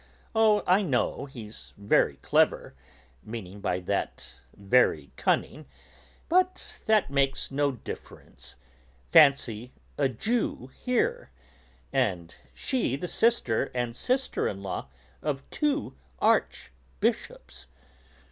"Oh, I know he's very clever," meaning by that 'very cunning,' "but that makes no difference; fancy a Jew here, and she the sister and sister in law of two Archbishops."